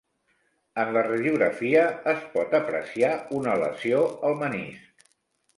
En la radiografia es pot apreciar una lesió al menisc.